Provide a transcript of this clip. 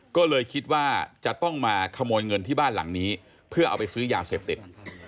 ก็เลยคิดว่าจะต้องมาขโมยเงินที่บ้านหลังนี้เพื่อเอาไปซื้อยาเสพติด